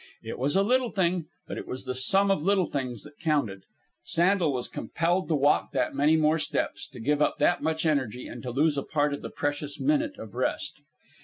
It was a little thing, but it was the sum of little things that counted. Sandel was compelled to walk that many more steps, to give up that much energy, and to lose a part of the precious minute of rest.